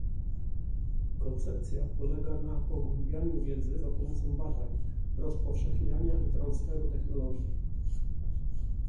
Koncepcja polega na pogłębianiu wiedzy za pomocą badań, rozpowszechniania i transferu technologii